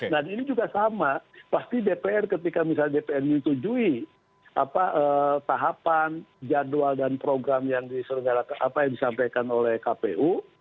nah ini juga sama pasti dpr ketika misalnya dpr menyetujui tahapan jadwal dan program yang disampaikan oleh kpu